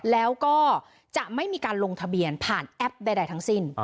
แล้วก็จะไม่มีการลงทะเบียนผ่านแอปใดทั้งสิ้น